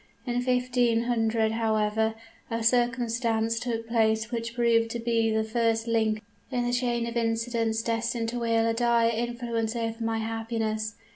In 1500, however, a circumstance took place which proved to be the first link in the chain of incidents destined to wield a dire influence over my happiness.